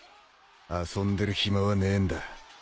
遊んでる暇はねえんだ。